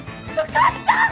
受かった！